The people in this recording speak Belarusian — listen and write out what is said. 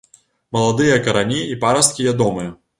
Маладыя карані і парасткі ядомыя.